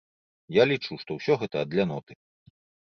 Я лічу, што ўсё гэта ад ляноты.